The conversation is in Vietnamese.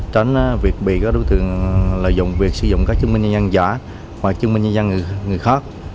tránh việc bị các đối tượng lợi dụng việc sử dụng các chứng minh nhân dân giả và chứng minh nhân dân người khác